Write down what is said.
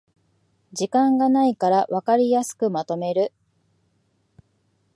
時間がないからわかりやすくまとめる